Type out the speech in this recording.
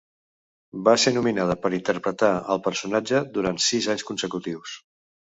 Va ser nominada per interpretar el personatge durant sis anys consecutius.